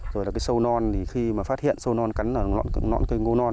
rồi là cái sâu non khi mà phát hiện sâu non cắn vào ngọn cây ngô non